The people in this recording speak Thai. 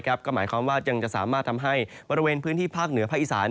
ก็หมายความว่ายังจะสามารถทำให้บริเวณพื้นที่ภาคเหนือภาคอีสาน